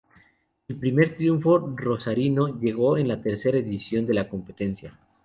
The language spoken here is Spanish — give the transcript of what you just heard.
El primer triunfo rosarino llegó en la tercera edición de la competencia.